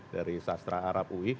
dari sastra arab ui